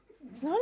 何？